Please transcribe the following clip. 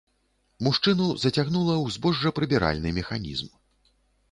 Мужчыну зацягнула ў збожжапрыбіральны механізм.